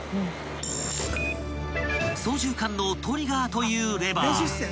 ［操縦かんのトリガーというレバー］